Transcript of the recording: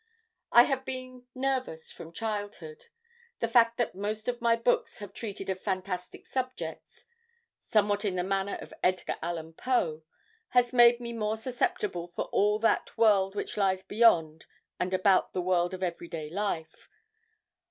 "I have been nervous from childhood. The fact that most of my books have treated of fantastic subjects, somewhat in the manner of Edgar Allan Poe has made me more susceptible for all that world which lies beyond and about the world of every day life.